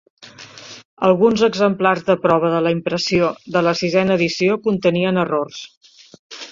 Alguns exemplars de prova de la impressió de la sisena edició contenien errors.